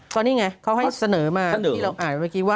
ก็นี่ไงเขาให้เสนอมาที่เราอ่านเมื่อกี้ว่า